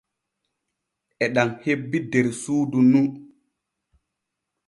E ɗam hebbi der suudu ɗu.